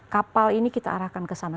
kapal ini kita arahkan ke sana